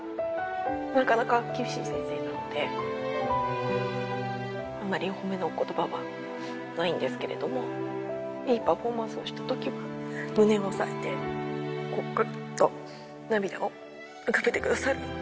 なかなか厳しい先生なので、あんまりお褒めのことばはないんですけど、いいパフォーマンスをしたときは胸を押さえて、涙を浮かべてくださる。